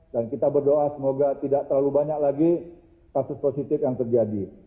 dan kita berdoa semoga tidak terlalu banyak lagi kasus positif yang terjadi